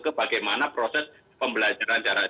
ke bagaimana proses pembelajaran